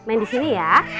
main disini ya